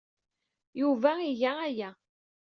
Yuba iga aya.